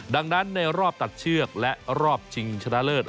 ดังนั้นในรอบตัดเชือกและรอบชิงชนะเลิศ